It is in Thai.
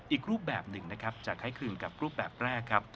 อีกรูปแบบหนึ่งจะคล้ายขึนกับรูปแบบแรก